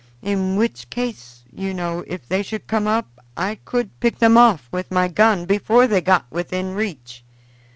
in which case, you know, if they should come up I could pick them off with my gun before they got within reach.